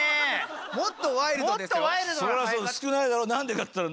もっとワイルドですよ。